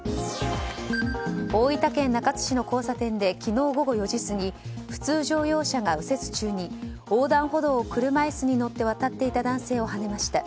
大分県中津市の交差点で昨日午後４時過ぎ普通乗用車が右折中に横断歩道を車椅子に乗って渡っていた男性をはねました。